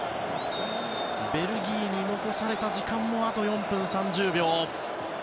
ベルギーの残された時間もあと４分３０秒。